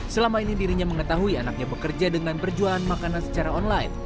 selama ini dirinya mengetahui anaknya bekerja dengan berjualan makanan secara online